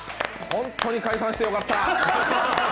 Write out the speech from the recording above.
ホントに解散してよかった。